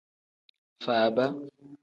Faaba.